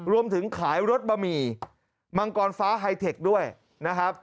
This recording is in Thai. รวมถึงขายรถบะหมี่มังกรฟ้าไฮเทคด้วยนะครับ